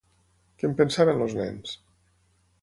Què en pensaven els nens?